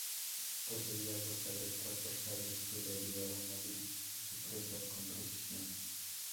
Poseía dos aletas dorsales que le ayudaban a dirigirse a su presa con precisión.